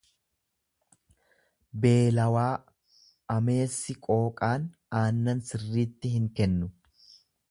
beelawaa; Ameessi qooqaan aannan sirriitti hin kennu.